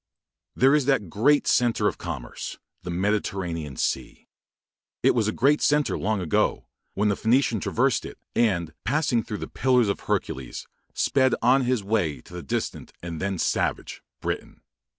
There is that great centre of commerce, the Mediterranean Sea. It was a great centre long ago, when the Phoenician traversed it, and, passing through the Pillars of Hercules, sped on his way to the distant, and then savage, Britain.